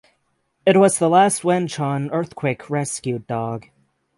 It was the last Wenchuan earthquake rescue dog.